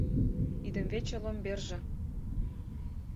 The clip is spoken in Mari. Идымвече ломберже